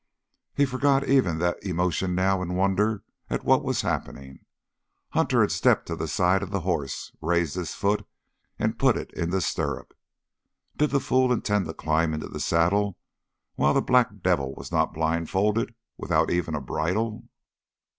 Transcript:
He forgot even that emotion now in wonder at what was happening. Hunter had stepped to the side of the horse, raised his foot, and put it in the stirrup. Did the fool intend to climb into the saddle while that black devil was not blindfolded, without even a bridle?